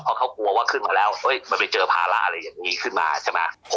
เพราะเขากลัวว่าขึ้นมาแล้วมันไปเจอภาระอะไรอย่างนี้ขึ้นมาใช่ไหม